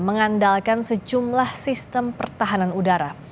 mengandalkan sejumlah sistem pertahanan udara